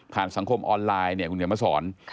สังคมออนไลน์เนี่ยคุณเขียนมาสอน